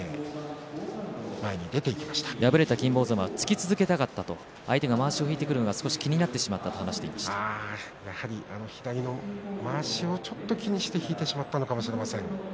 敗れた金峰山は突き続けたかった、相手がまわしを取るのが気になってしまったやはり左のまわしをちょっと気にして引いてしまったのかもしれません。